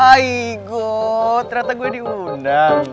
aigo ternyata gue diundang